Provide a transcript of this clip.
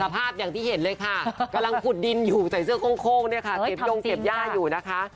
ภาพอย่างที่เห็นเลยค่ะกำลังขุดดินอยู่ใส่เสื้อโค้งเนี่ยค่ะเก็บยงเก็บย่าอยู่นะคะ